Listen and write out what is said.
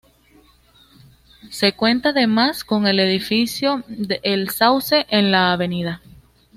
Se cuenta demás con el edificio El Sauce en la Av.